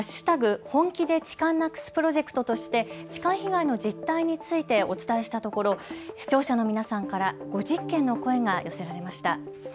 本気で痴漢なくすプロジェクトとして痴漢被害の実態についてお伝えしたところ視聴者の皆さんから５０件の声が寄せられました。